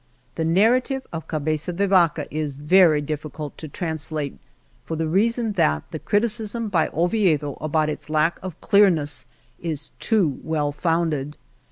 The narrative of Cabeza de Vaca is very difficult to translate for the reason, thai the criticism by Oviedo about its lack of clearness is too well founded.